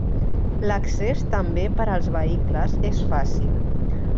L'accés també per als vehicles és fàcil.